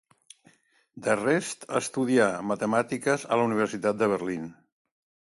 D'Arrest estudià matemàtiques a la Universitat de Berlín.